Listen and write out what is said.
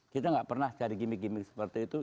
kita gak pernah cari gimmick gimmick seperti itu